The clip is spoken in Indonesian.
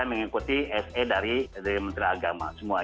ini dari menteri agama semua